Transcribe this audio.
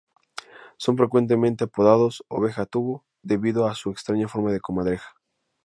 Son frecuentemente apodados "oveja tubo", debido a su extraña forma de comadreja.